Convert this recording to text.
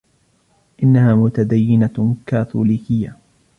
إنها متدينة كاثوليكية.